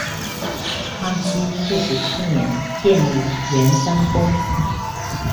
康熙四十七年建立圆山宫。